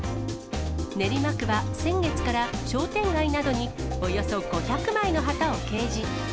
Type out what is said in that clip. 練馬区は先月から、商店街などに、およそ５００枚の旗を掲示。